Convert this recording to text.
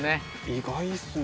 意外ですね